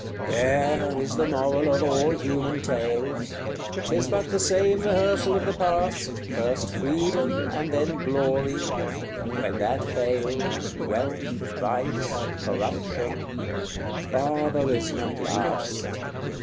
CVIII. There is the moral of all human tales: 'Tis but the same rehearsal of the past, First Freedom, and then Glory when that fails, Wealth, vice, corruption barbarism at last.